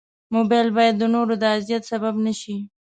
موبایل باید د نورو د اذیت سبب نه شي.